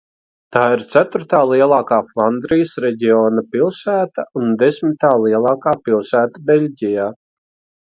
Tā ir ceturtā lielākā Flandrijas reģiona pilsēta un desmitā lielākā pilsēta Beļģijā.